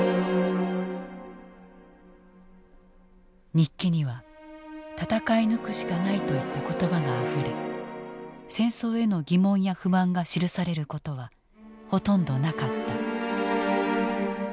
日記には「戦い抜くしかない」といった言葉があふれ戦争への疑問や不満が記されることはほとんどなかった。